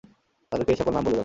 তাদেরকে এ সকল নাম বলে দাও।